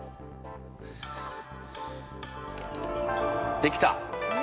できた。